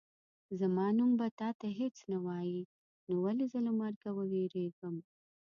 زما نوم به تا ته هېڅ نه وایي نو ولې زه له مرګه ووېرېږم.